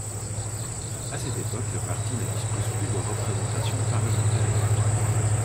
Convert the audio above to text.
À cette époque, le parti ne dispose plus de représentation parlementaire.